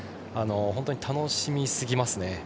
本当に楽しみすぎますね。